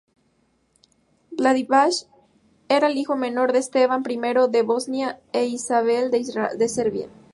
Vladislav era el hijo menor de Esteban I de Bosnia, e Isabel de Serbia.